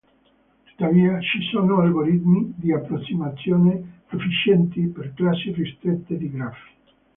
Tuttavia, ci sono algoritmi di approssimazione efficienti per classi ristrette di grafi.